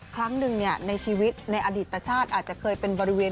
ครั้งหนึ่งในชีวิตในอดีตชาติอาจจะเคยเป็นบริเวณ